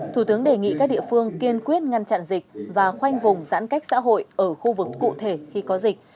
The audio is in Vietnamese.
thủ tướng đề nghị các địa phương kiên quyết ngăn chặn dịch và khoanh vùng giãn cách xã hội ở khu vực cụ thể khi có dịch